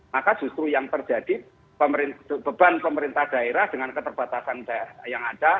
maka justru yang terjadi beban pemerintah daerah dengan keterbatasan yang ada